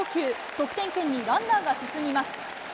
得点圏にランナーが進みます。